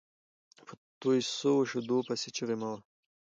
په توى سوو شېدو پيسي چیغي مه وهه!